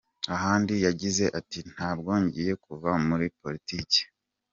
Ahandi yagize ati “Ntabwo ngiye kuva muri politiki.